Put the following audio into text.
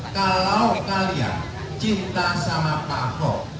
kalau kalian cinta sama pak ho